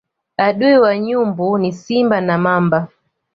Adui wa nyumbu ni simba na mamba